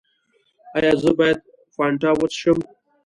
ایا زه باید فانټا وڅښم؟